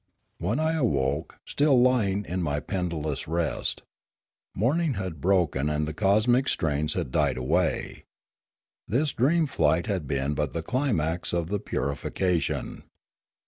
Then I awoke, still lying in my pendulous rest. Morning had broken and the cosmic strains had died away. This dream flight had been but the climax of the purification.